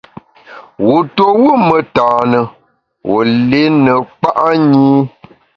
Wu tuo wù metane, wu li ne kpa’ nyi.